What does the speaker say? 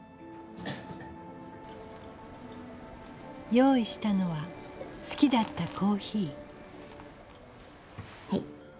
用意したのは好きだったコーヒー。